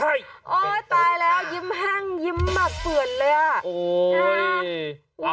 โอ๊ยตายแล้วยิ้มแห้งยิ้มแบบเปื่อนเลยอ่ะ